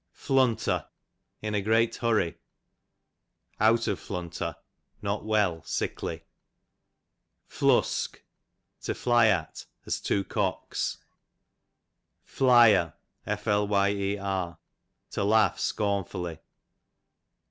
Flunter, in a great hurry ; out of flunter, not well, sickly. Flusk, to fly at, as two cocks. Flyer, to laugh scornfully.